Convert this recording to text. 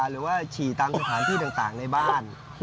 หรือว่าฉี่ตามสถานที่ต่างในบ้าน